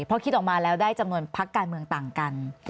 เพราะคิดออกมาแล้วได้จำนวนพักการเมืองต่างกัน